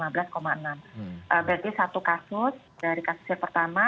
berarti satu kasus dari kasus yang pertama